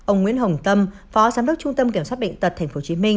ông nguyễn hồng tâm phó giám đốc trung tâm kiểm soát bệnh tật tp hcm